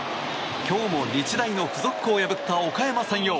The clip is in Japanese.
今日も日大の付属校を破ったおかやま山陽。